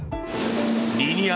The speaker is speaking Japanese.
リニア